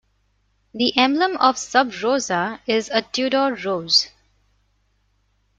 The emblem of Sub Rosa is a Tudor Rose.